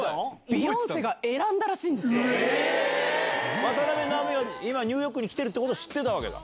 ビヨンセが選んだらしいんで渡辺直美が今、ニューヨークに来てるってこと、知ってたわけだ。